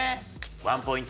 ワンポイント